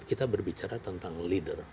kita berbicara tentang leader